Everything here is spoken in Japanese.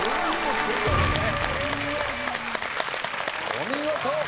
お見事！